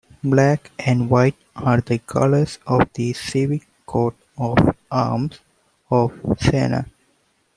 Black and white are the colours of the civic coat of arms of Siena.